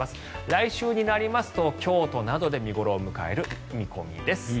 来週になりますと京都などで見頃を迎える見込みです。